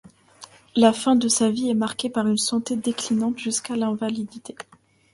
La fin de sa vie est marquée par une santé déclinante jusqu'à l'invalidité.